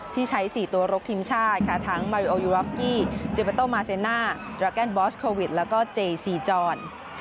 ที่ใช้๔ตัวรกทีมชาติค่ะทั้งมาริโอยูรอฟกี้เจเบอร์โตมาเซน่าดราแกนบอสโควิดแล้วก็เจซีจร